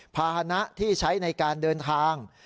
ภาษณะที่ใช้ในการเดินทาง